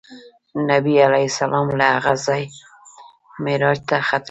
نبي علیه السلام له هغه ځایه معراج ته ختلی.